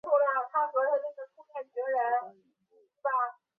首都城市群是一个来自美国加利福尼亚州洛杉矶的独立流行乐组合。